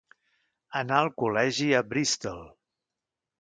Anà al col·legi a Bristol.